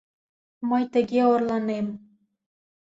Мый тыге орланем.